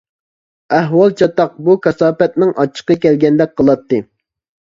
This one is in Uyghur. ئەھۋال چاتاق، بۇ كاساپەتنىڭ ئاچچىقى كەلگەندەك قىلاتتى.